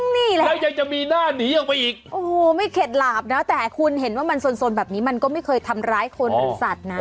นี่แหละอ๋อไม่เข็ดหลาบนะแต่คุณเห็นว่ามันสนแบบนี้มันก็ไม่เคยทำร้ายคนหรือสัตว์นะ